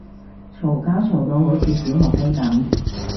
嘈交嘈到好似小學雞噉